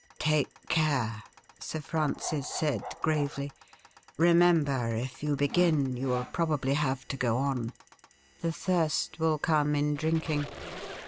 ' Take care,' Sir Francis said gravely. ' Remember, if you begin, you will probably have to go on. The thirst will come in drinking.